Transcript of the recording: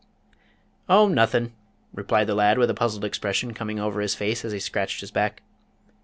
"Oh, nothin'," replied the lad with a puzzled expression coming over his face as he scratched his back.